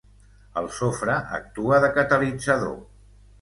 El sofre actua de catalitzador.